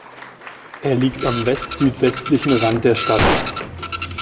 Er liegt am west-südwestlichen Rand der Stadt.